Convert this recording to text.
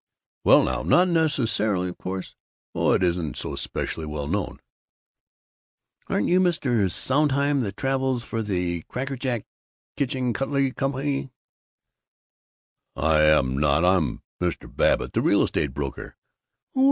"Well, now, not necessarily. Of course Oh, it isn't so specially well known." "Aren't you Mr. Sondheim that travels for the Krackajack Kitchen Kutlery Ko.?" "I am not! I'm Mr. Babbitt, the real estate broker!"